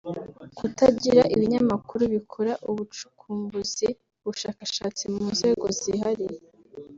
d) Kutagira ibinyamakuru bikora ubucukumbuzi (ubushakashatsi) mu nzego zihariye